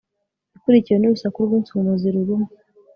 ikurikiwe n'urusaku rw'insumo ziruruma